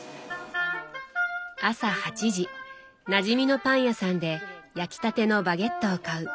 朝８時なじみのパン屋さんで焼きたてのバゲットを買う。